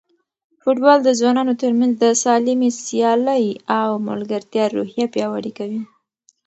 فوټبال د ځوانانو ترمنځ د سالمې سیالۍ او ملګرتیا روحیه پیاوړې کوي.